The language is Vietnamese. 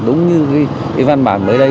đúng như cái văn bản mới đây